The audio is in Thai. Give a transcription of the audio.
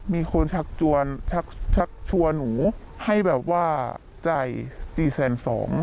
มีคนชักชวนหนูให้ใจ๔๒๐๐๐๐บาท